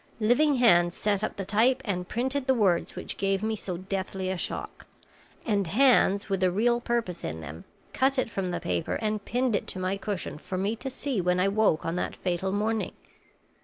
Living hands set up the type and printed the words which gave me so deathly a shock; and hands, with a real purpose in them, cut it from the paper and pinned it to my cushion for me to see when I woke on that fatal morning.